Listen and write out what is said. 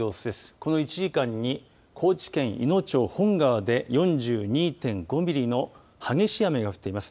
この１時間に高知県いの町本川で４２．５ミリの激しい雨が降っています。